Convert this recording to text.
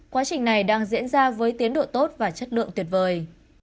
quá trình này đang diễn ra với tiến độ tốt và chất lượng tuyệt vời